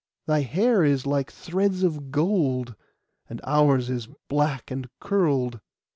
Thy hair is like threads of gold, and ours is black and curled.